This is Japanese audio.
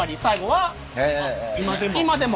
今でも？